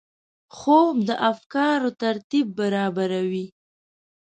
خوب د افکارو ترتیب برابروي